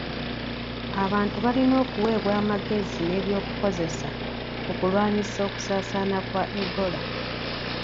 Abantu balina okuwebwa amagezi n'ebyokukozesa ku kulwanyisa okusaasaana kwa Ebola.